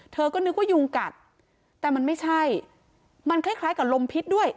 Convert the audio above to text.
เธอก็นึกว่ายุงกัดแต่มันไม่ใช่มันคล้ายกับลมพิษด้วย